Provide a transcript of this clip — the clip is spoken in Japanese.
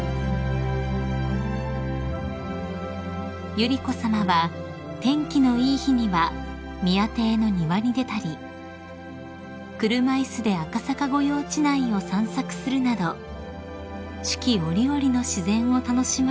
［百合子さまは天気のいい日には宮邸の庭に出たり車椅子で赤坂御用地内を散策するなど四季折々の自然を楽しまれているということです］